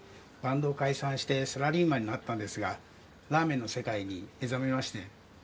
バンドを解散してサラリーマンになったんですがラーメンの世界に目覚めまして。